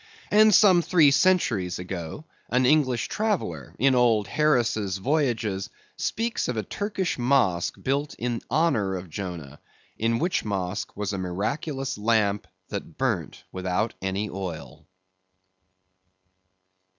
And some three centuries ago, an English traveller in old Harris's Voyages, speaks of a Turkish Mosque built in honor of Jonah, in which Mosque was a miraculous lamp that burnt without any oil.